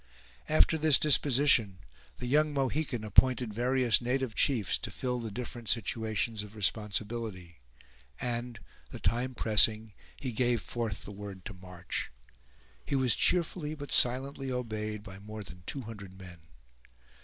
After this disposition, the young Mohican appointed various native chiefs to fill the different situations of responsibility, and, the time pressing, he gave forth the word to march. He was cheerfully, but silently obeyed by more than two hundred men.